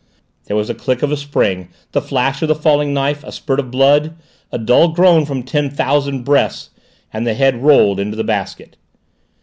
There was a click of a spring, the flash of the falling knife, a spurt of blood, a dull groan from ten thousand breasts, and the head rolled into the basket!